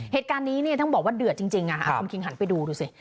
เหตุการณ์นี้เนี่ยทั้งบอกว่าเดือดจริงอะเอาความคิงหันไปดูดูสิ